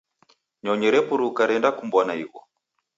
Nyonyi repuruka renda kumbwa na igho